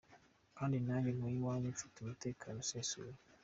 Kandi nanjye ntuye iwanjye mfite umutekano usesuye.